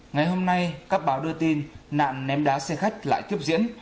ngày hôm nay các báo đưa tin nạn ném đá xe khách lại tiếp diễn